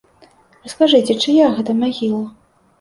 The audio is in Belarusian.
А скажыце, чыя гэта магіла?